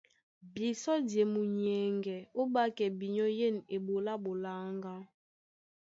Bisɔ́ di e munyɛŋgɛ ó ɓákɛ binyɔ́ yên eɓoló á ɓoláŋgá.